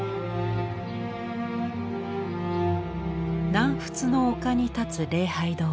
南仏の丘に立つ礼拝堂。